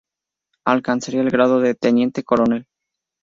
Alcanzaría el grado de teniente coronel.